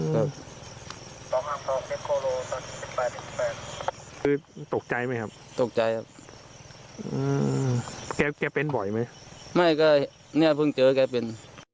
คือตกใจไหมครับตกใจครับแกเป็นบ่อยไหมไม่ก็เนี่ยเพิ่งเจอแกเป็น